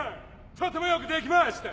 とてもよくできました！